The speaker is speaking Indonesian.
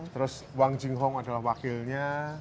terus wang jinghong adalah wakilnya